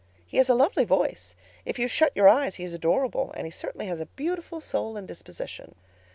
"He has a lovely voice—if you shut your eyes he is adorable—and he certainly has a beautiful soul and disposition.